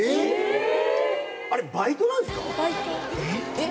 えっ⁉